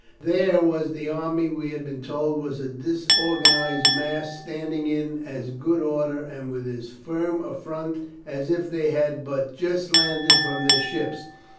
There was the army we had been told was a disorganized mass standing in as good order, and with as firm a front, as if they had but just landed from their ships.